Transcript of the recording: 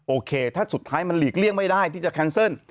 โอเคถ้าสุดท้ายมันหลีกเลี่ยงไม่ได้ที่จะแคนเซิล